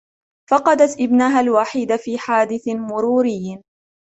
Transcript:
فقدتْ ابنها الوحيد في حادث مروري.